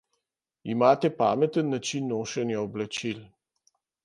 Ima pameten način nošenja oblačil.